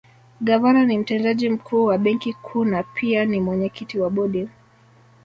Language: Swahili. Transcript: Gavana ni Mtendaji Mkuu wa Benki Kuu na pia ni mwenyekiti wa Bodi